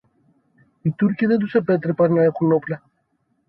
Οι Τούρκοι δεν τους επέτρεπαν να έχουν όπλα